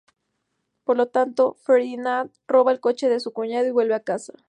Por lo tanto, Ferdinand roba el coche de su cuñado y vuelve a casa.